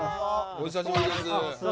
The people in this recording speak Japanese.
お久しぶりです。